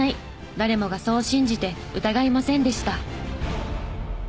誰もがそう信じて疑いませんでした。